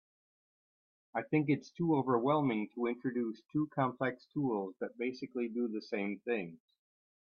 I think it’s too overwhelming to introduce two complex tools that basically do the same things.